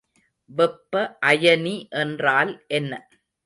வெப்ப அயனி என்றால் என்ன?